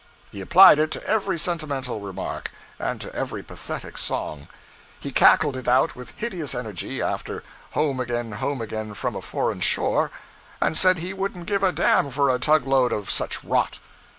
He applied it to every sentimental remark, and to every pathetic song. He cackled it out with hideous energy after 'Home again, home again from a foreign shore,' and said he 'wouldn't give a damn for a tug load of such rot.'